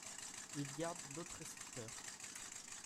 Il garde l’autre récepteur.